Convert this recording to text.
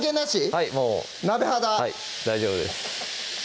はいもう鍋肌はい大丈夫です